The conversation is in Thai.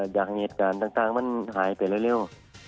อย่างงี้ทางมันหายไปเร็ว